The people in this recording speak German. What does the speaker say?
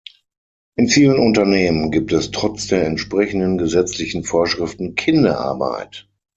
In vielen Unternehmen gibt es trotz der entsprechenden gesetzlichen Vorschriften Kinderarbeit.